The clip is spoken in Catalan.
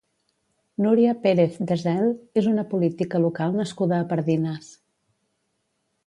Núria Pérez Desel és una política local nascuda a Pardines.